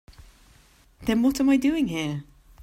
Then what am I doing here?